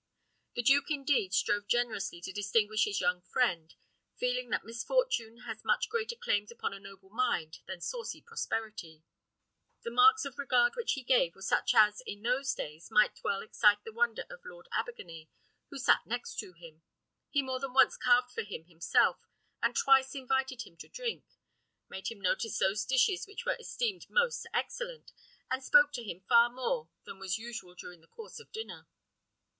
The duke, indeed, strove generously to distinguish his young friend, feeling that misfortune has much greater claims upon a noble mind than saucy prosperity. The marks of regard which he gave were such as, in those days, might well excite the wonder of Lord Abergany, who sat next to him. He more than once carved for him himself, and twice invited him to drink; made him notice those dishes which were esteemed most excellent, and spoke to him far more than was usual during the course of dinner.